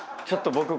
ちょっと僕。